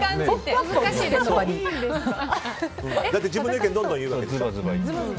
だって自分の意見どんどん言うわけでしょ。